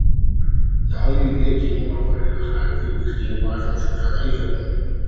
洋玉叶金花为茜草科玉叶金花属下的一个种。